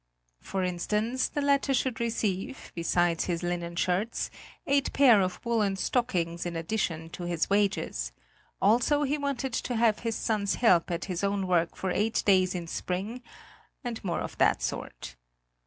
For instance, the latter should receive, besides his linen shirts, eight pair of woollen stockings in addition to his wages; also he wanted to have his son's help at his own work for eight days in spring and more of the sort.